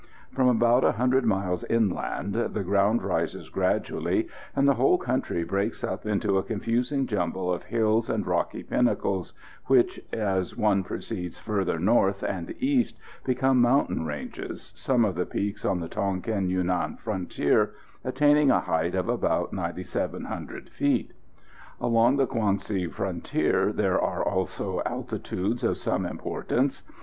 From about 100 miles inland the ground rises gradually, and the whole country breaks up into a confusing jumble of hills and rocky pinnacles, which as one proceeds further north and east become mountain ranges, some of the peaks on the Tonquin Yunan frontier attaining a height of about 9,700 feet. Along the Kwang si frontier there are also altitudes of some importance.